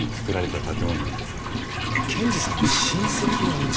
賢治さんの親戚のおうち？